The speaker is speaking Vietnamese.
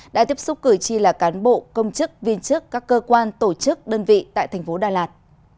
đã tiếp xúc cử tri là cán bộ công chức viên chức các cơ quan tổ chức đơn vị tại thành phố đà lạt